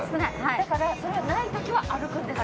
だからそれがないときは歩くんです。